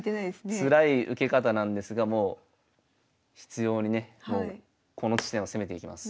つらい受け方なんですがもう執ようにねこの地点を攻めていきます。